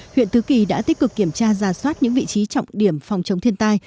huyện tứ kỳ đã tích cực kiểm tra ra soát những vị trí trọng điểm phòng chống thiên tai